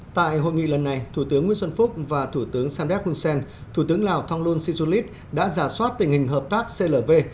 tại hội nghị lần này thủ tướng nguyễn xuân phúc và thủ tướng samdek hun sen thủ tướng lào thonglun sisulit đã giả soát tình hình hợp tác clv